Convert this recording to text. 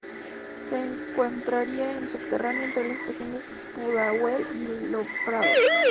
Se encontraría en subterráneo, entre las estaciones Pudahuel y Lo Prado.